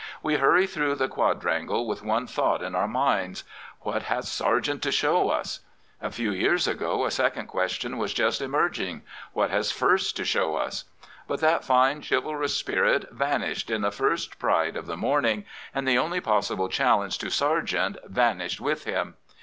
We hurry through the quadrangle with one thought in our minds. What has Sargent to show us? A few years ago a second question was just emerging — What has Furse to show us? But that fine, chivalrous spirit vanished in the first pride of the morning, and the only possible challenge to Sargent vanished with him.